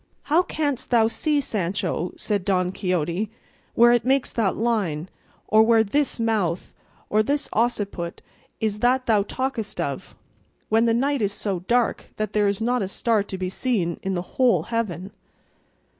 "How canst thou see, Sancho," said Don Quixote, "where it makes that line, or where this mouth or this occiput is that thou talkest of, when the night is so dark that there is not a star to be seen in the whole heaven?"